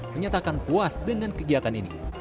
menyatakan puas dengan kegiatan ini